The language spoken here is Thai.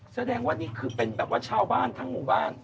แสดงว่านี่คือเป็นแบบว่าเช่าบ้านทั้งหมู่บ้าน